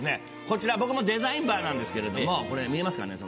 こちら僕もデザインバーなんですけれどもこれ見えますかね？